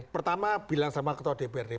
pertama bilang sama ketua dprd